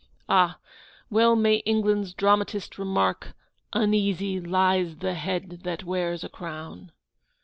Ah! well may England's dramatist remark, "Uneasy lies the head that wears a crown!"